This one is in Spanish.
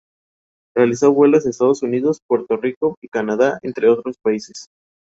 Realiza vuelos en Estados Unidos, Puerto Rico y Canadá, entre otros países.